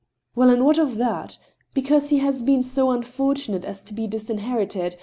Well, and what of that ? Because he has been so unfortunate as to be disinherited ?